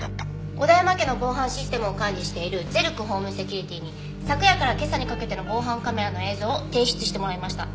小田山家の防犯システムを管理しているゼルクホームセキュリティに昨夜から今朝にかけての防犯カメラの映像を提出してもらいました。